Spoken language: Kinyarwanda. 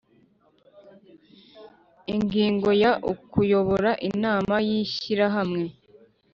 Ingingo ya ukuyobora inama y ishyirahamwe